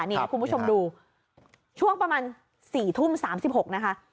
ครับคุณผู้ชมดูช่วงประมาณสี่ทุ่มสามสิบหกนะคะ